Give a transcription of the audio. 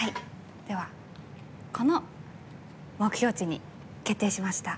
この目標値に決定しました。